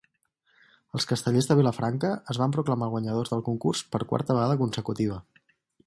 Els Castellers de Vilafranca es van proclamar guanyadors del concurs per quarta vegada consecutiva.